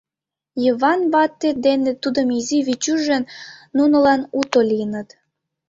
Йыван вате дене тудын изи Витюжо нунылан уто лийыныт.